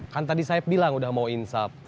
kan tadi saya bilang udah mau insap